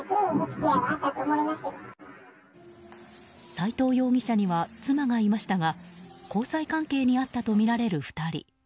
斎藤容疑者には妻がいましたが交際関係にあったとみられる２人。